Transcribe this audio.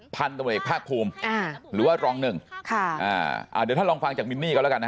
พันธุ์ตำรวจเอกภาคภูมิอ่าหรือว่ารองหนึ่งค่ะอ่าอ่าเดี๋ยวท่านลองฟังจากมินนี่ก็แล้วกันนะ